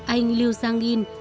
anh liu zhang yin